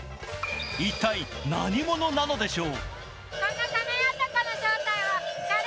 一体何者なのでしょう？